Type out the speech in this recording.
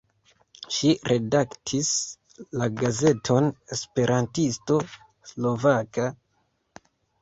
Ŝi redaktis la gazeton Esperantisto Slovaka.